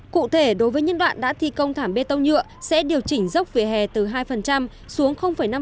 cụ thể đối với những đoạn đã thi công thảm bê tông nhựa sẽ điều chỉnh dốc vỉa hè từ hai xuống năm